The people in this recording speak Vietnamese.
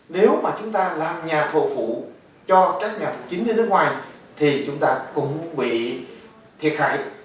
nếu mà chúng ta làm nhà thầu phụ cho các nhà phụ chính trên nước ngoài thì chúng ta cũng bị thiệt hại